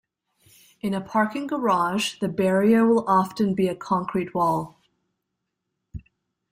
In a parking garage, the barrier will often be a concrete wall.